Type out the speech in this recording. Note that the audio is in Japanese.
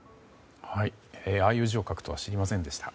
ああいう字を書くとは知りませんでした。